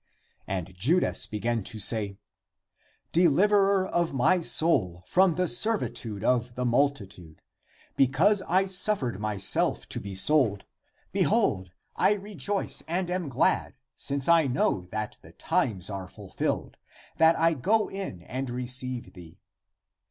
And Judas began to say :" Deliverer of my soul from the servitude of the multitude, because I suffered myself to be sold, be hold, I rejoice and am glad, since I know that the times are fulfilled, that I go in and receive